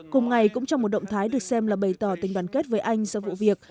cùng ngày cũng trong một động thái được xem là bày tỏ tình đoàn kết với anh sau vụ việc